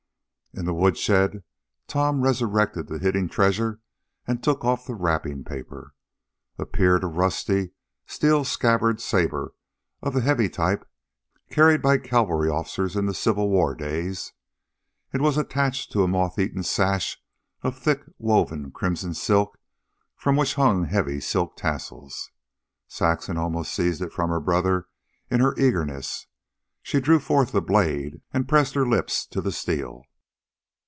In the woodshed Tom resurrected the hidden treasure and took off the wrapping paper. Appeared a rusty, steel scabbarded saber of the heavy type carried by cavalry officers in Civil War days. It was attached to a moth eaten sash of thick woven crimson silk from which hung heavy silk tassels. Saxon almost seized it from her brother in her eagerness. She drew forth the blade and pressed her lips to the steel.